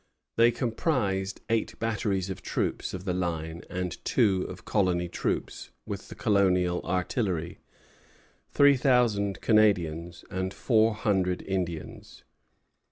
They comprised eight battalions of troops of the line and two of colony troops; with the colonial artillery, three thousand Canadians, and four hundred Indians.